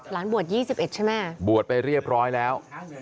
บวช๒๑ใช่ไหมบวชไปเรียบร้อยแล้ว